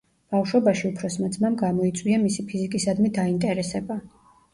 ბავშვობაში უფროსმა ძმამ გამოიწვია მისი ფიზიკისადმი დაინტერესება.